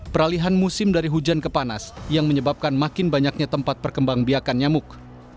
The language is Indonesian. peralihan musim dari hujan ke panas yang menyebabkan makin banyaknya tempat perkembang biakan nyamuk